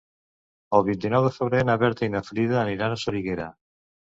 El vint-i-nou de febrer na Berta i na Frida aniran a Soriguera.